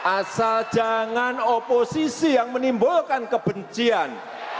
asal jangan oposisi yang menimbulkan kebencian